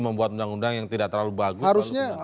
membuat undang undang yang tidak terlalu bagus